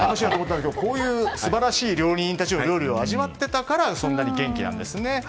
こういう素晴らしい料理人たちの料理を味わってたからそんなに元気なんですね。